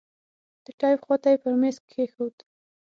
د ټېپ خوا ته يې پر ميز کښېښود.